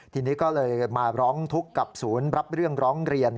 ทีนี้ก็เลยมาร้องทุกข์กับศูนย์รับเรื่องร้องเรียน